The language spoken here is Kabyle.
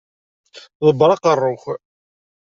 Ḍebber aqeṛṛu-k!